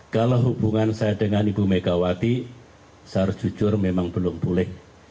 kalau hubungan saya dengan ibu mega wati seharusnya jujur memang belum pulih